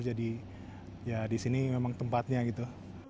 jadi ya di sini memang tempatnya gitu